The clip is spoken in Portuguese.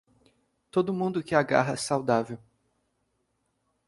Todo mundo que agarra saudável.